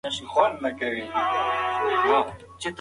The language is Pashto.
انا خپل لمونځ په پوره خشوع او ارامۍ وکړ.